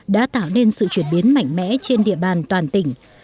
đã tạo nên sự chuyển biến mạnh mẽ trên địa bàn toàn tỉnh